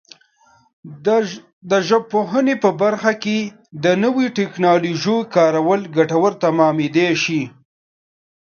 د ژبپوهنې په برخه کې د نویو ټکنالوژیو کارول ګټور تمامېدای شي.